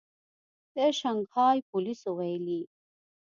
د شانګهای پولیسو ویلي